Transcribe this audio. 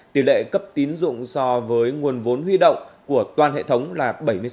tỷ lệ cấp tín dụng so với nguồn vốn huy động của toàn hệ thống là bảy mươi sáu sáu mươi bảy